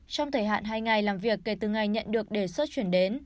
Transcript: trong thời hạn hai ngày làm việc kể từ ngày nhận được đề xuất chuyển đến